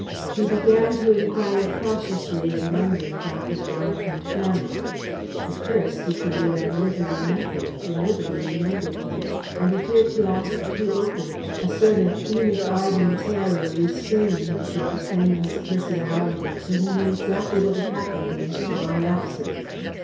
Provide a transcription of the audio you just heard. He began to inquire cautiously in London about his wife and family. At first, he could learn little or nothing; for nobody remembered him, and he feared to ask too openly, a sort of Enoch Arden terror restraining him from proclaiming his personality till he knew exactly what had happened in his long absence.